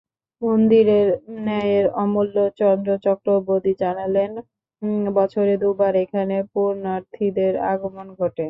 মন্দিরের নায়েব অমূল্য চন্দ্র চক্রবর্তী জানালেন, বছরে দুবার এখানে পুণ্যার্থীদের আগমন ঘটে।